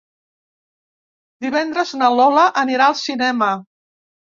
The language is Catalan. Divendres na Lola anirà al cinema.